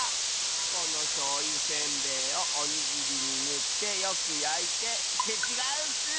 このしょうゆせんべいをおにぎりにぬってよくやいてってちがうッス！